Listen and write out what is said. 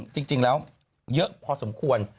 จริงแล้วเยอะพอสมควร